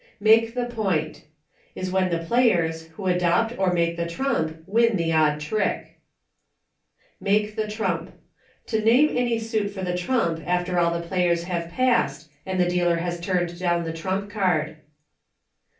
Make the Point. Is when the players, who adopt or make the trump, win the odd trick. Make the Trump. To name any suit for the trump after all the players have passed, and the dealer has turned down the trump card.